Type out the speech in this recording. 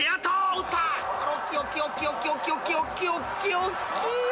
［おっきいよ！］